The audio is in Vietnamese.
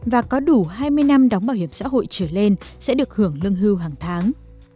và có đủ hai mươi năm đóng bảo hiểm xã hội trở lên sẽ được hưởng lương hưu hàng tháng